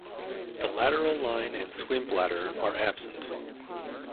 The lateral line and swim bladder are absent.